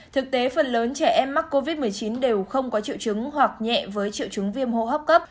thực tế phần lớn trẻ em mắc covid một mươi chín đều không có triệu chứng hoặc nhẹ với triệu chứng viêm hô hấp cấp